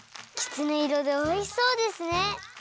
きつねいろでおいしそうですね！